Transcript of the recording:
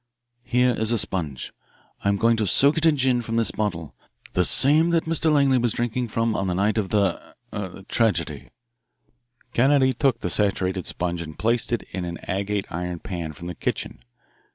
Here is a sponge. I am going to soak it in gin from this bottle, the same that Mr. Langley was drinking from on the night of the er the tragedy." Kennedy took the saturated sponge and placed it in an agate iron pan from the kitchen.